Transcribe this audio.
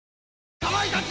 かまいたち！